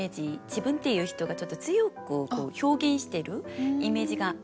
自分っていう人がちょっと強く表現してるイメージがあったかと思うんですね。